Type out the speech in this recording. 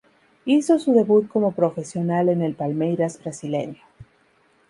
Hizo su debut como profesional en el Palmeiras brasileño.